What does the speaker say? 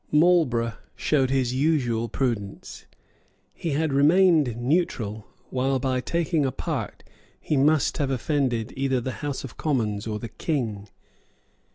Marlborough showed his usual prudence. He had remained neutral while by taking a part he must have offended either the House of Commons or the King.